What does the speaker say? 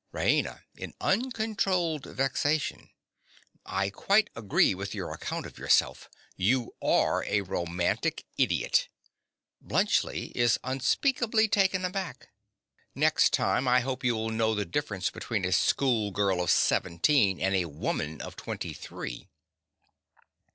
RAINA. (in uncontrollable vexation). I quite agree with your account of yourself. You are a romantic idiot. (Bluntschli is unspeakably taken aback.) Next time I hope you will know the difference between a schoolgirl of seventeen and a woman of twenty three.